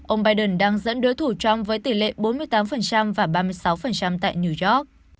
ông biden đang dẫn đối thủ trump với tỷ lệ bốn mươi tám và ba mươi sáu tại new york